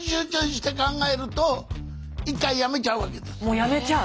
もうやめちゃう。